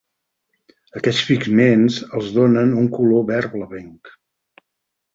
Aquests pigments els donen un color verd blavenc.